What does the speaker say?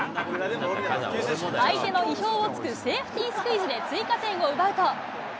相手の意表をつくセーフティースクイズで追加点を奪うと。